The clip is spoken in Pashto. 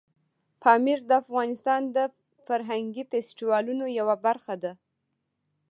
پامیر د افغانستان د فرهنګي فستیوالونو یوه برخه ده.